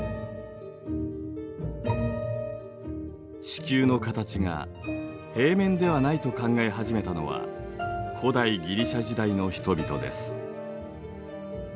地球の形が平面ではないと考え始めたのは古代ギリシア時代の人々です。